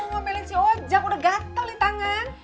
mau ngomelin si hojak udah gatel di tangan